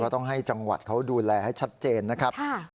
ต้องให้จังหวัดเขาดูแลให้ชัดเจนนะครับ